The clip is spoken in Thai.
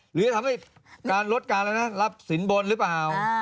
หรือจะทำให้การลดการอะไรนะรับสินบนหรือเปล่า